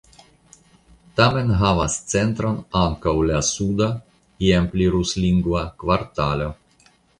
Tamen havas centron ankaŭ la suda (iam pli ruslingva) kvartalo.